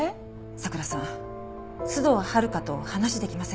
佐倉さん須藤温香と話できませんか？